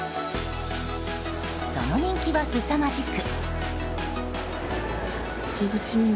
その人気はすさまじく。